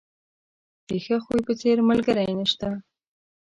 د ښه خوی په څېر، ملګری نشته.